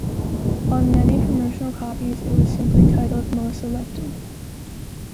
On many promotional copies it was simply titled "Melissa Lefton".